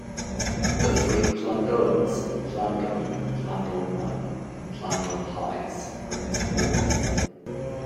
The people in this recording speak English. The three Plandomes-Plandome, Plandome Manor and Plandome Heights-are in the north.